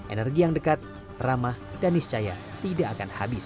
energi yang dekat ramah dan niscaya tidak akan habis